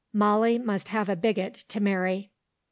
Molly must have a bigot to marry."